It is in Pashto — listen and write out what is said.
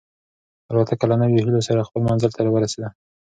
الوتکه له نویو هیلو سره خپل منزل ته ورسېده.